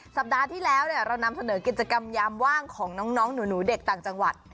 สัปดาห์ที่แล้วเรานำเสนอกิจกรรมยามว่างของน้องหนูเด็กต่างจังหวัด